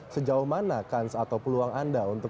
sejauh mana kans atau peluang anda untuk